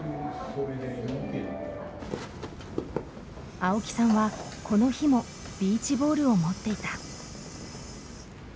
青木さんはこの日もビーチボールを持っていた。